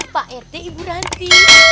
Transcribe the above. pak rt ibu ranti